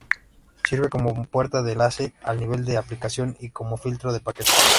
Sirve como puerta de enlace al nivel de aplicación y como filtro de paquetes.